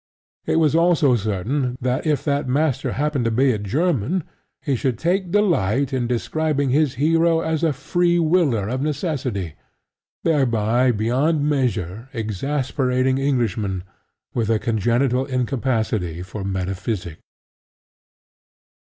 It was also certain that if that master happened to be a German, he should take delight in describing his hero as the Freewiller of Necessity, thereby beyond measure exasperating Englishmen with a congenital incapacity for metaphysics.